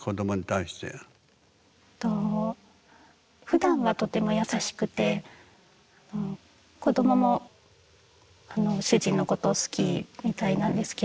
ふだんはとても優しくて子どももあの主人のことを好きみたいなんですけど。